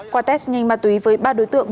qua test nhanh ma túy với ba đối tượng